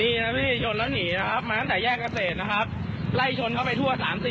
นี่แหละค่ะโอ้โห